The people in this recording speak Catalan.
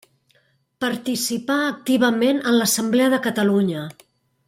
Participà activament en l'Assemblea de Catalunya.